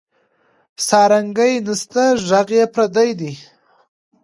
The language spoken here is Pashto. سارنګۍ نسته ږغ یې پردی دی